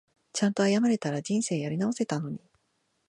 ちゃんと謝れたら人生やり直せたのに